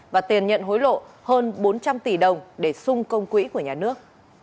và tiền nhận hối lộ hơn bốn trăm linh tỷ đồng để xung công quỹ của nhà nước